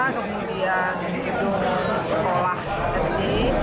kemudian di sekolah sd